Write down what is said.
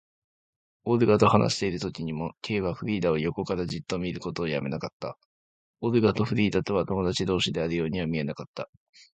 オルガと話しているときにも、Ｋ はフリーダを横からじっと見ることをやめなかった。オルガとフリーダとは友だち同士であるようには見えなかった。